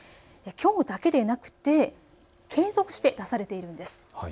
きょうだけでなくて、継続して出されているんです。